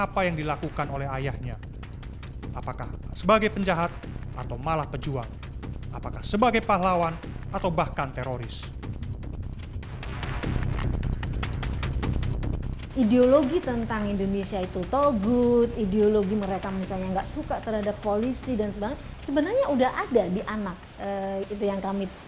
padahal dia pejuang